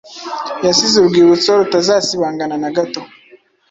Yasize urwibutso rutazasibangana nagato